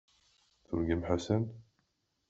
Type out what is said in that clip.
Turgam Ḥasan.